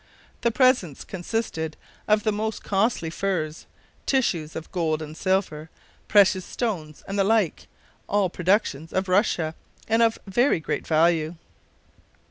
The presents consisted of the most costly furs, tissues of gold and silver, precious stones, and the like, all productions of Russia, and of very great value.